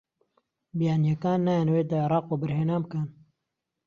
بیانییەکان نایانەوێت لە عێراق وەبەرهێنان بکەن.